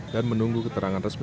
dan menunggu keterangan resmi